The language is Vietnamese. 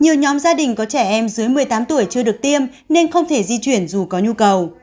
nhiều nhóm gia đình có trẻ em dưới một mươi tám tuổi chưa được tiêm nên không thể di chuyển dù có nhu cầu